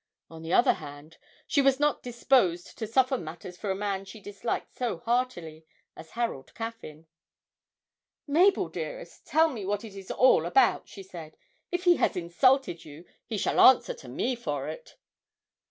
On the other hand, she was not disposed to soften matters for a man she disliked so heartily as Harold Caffyn. 'Mabel, dearest, tell me what it is all about,' she said. 'If he has insulted you, he shall answer to me for it!'